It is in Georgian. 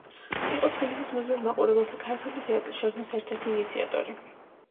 იყო თბილისის მოზარდ მაყურებელთა ქართული თეატრის შექმნის ერთ-ერთი ინიციატორი.